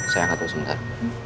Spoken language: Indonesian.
saya angkat lo sebentar